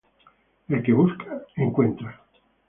El que busca, encuentra